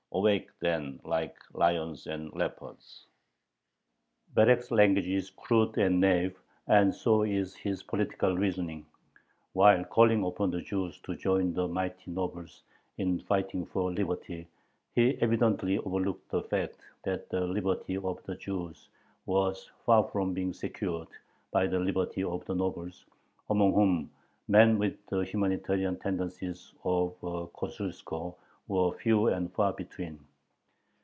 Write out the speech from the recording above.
Awake then like lions and leopards! Berek's language is crude and naïve, and so is his political reasoning. While calling upon the Jews to join "the mighty nobles" in fighting for liberty, he evidently overlooked the fact that the liberty of the Jews was far from being secured by the liberty of the nobles, among whom men with the humanitarian tendencies of a Kosciuszko were few and far between.